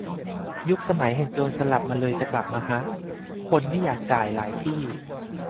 ยุคสมัยแห่งโจรสลัดมันเลยจะกลับมาฮะ คนไม่อยากจ่ายหลายที่